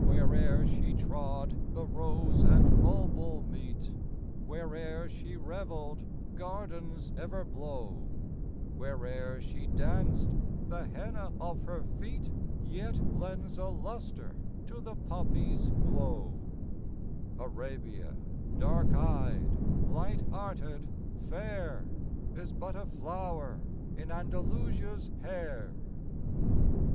Where'er she trod, the rose and bulbul meet; Where'er she revelled, gardens ever blow; Where'er she danced, the henna of her feet Yet lends a lustre to the poppy's glow;— Arabia, dark eyed, light hearted, fair, Is but a flower in Andalusia's hair.